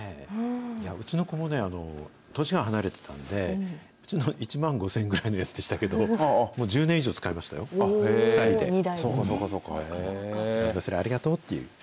うちの子もね、年が離れてたんで、うちのは１万５０００円ぐらいのでしたけど、もう１０年以上使いましたよ、２人で。